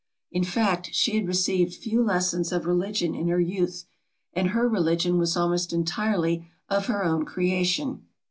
In fact, she had received few lessons of religion in her youth, and her religion was almost entirely of her own creation.